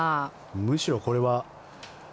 むしろこれは。